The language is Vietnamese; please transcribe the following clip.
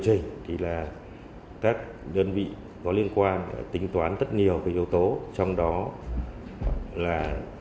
trình thì là các đơn vị có liên quan tính toán rất nhiều cái yếu tố trong đó là